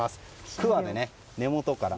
くわで根元から。